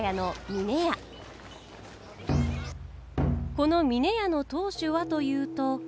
この峰屋の当主はというと。